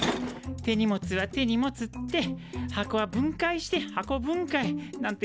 「手荷物は手に持つ」って「箱は分解して運ぶんかい」なんて言ってる場合か。